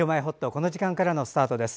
この時間からのスタートです。